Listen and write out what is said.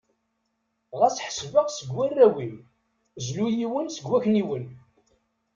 Ɣas ḥseb-aɣ seg warraw-im, zlu yiwen seg wakniwen.